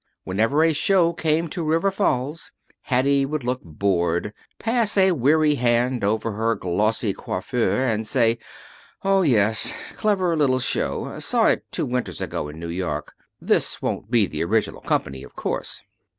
Whenever a show came to River Falls Hattie would look bored, pass a weary hand over her glossy coiffure and say: "Oh, yes. Clever little show. Saw it two winters ago in New York. This won't be the original company, of course."